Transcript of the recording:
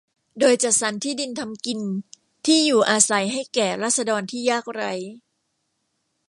โดยจัดสรรที่ดินทำกินที่อยู่อาศัยให้แก่ราษฎรที่ยากไร้